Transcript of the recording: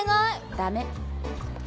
ダメ。